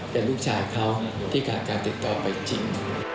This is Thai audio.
กะลุกชายเขาที่การการติดต่อไปจริง